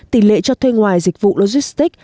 tỉ lệ cho thuê ngoài dịch vụ logistic